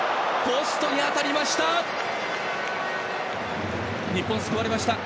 ポストに当たりました。